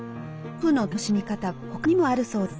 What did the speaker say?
古布の楽しみ方は他にもあるそうです。